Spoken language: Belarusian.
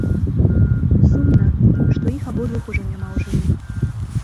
Сумна, што іх абодвух ужо няма ў жывых.